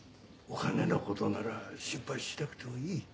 お金のことなら心配しなくてもいい。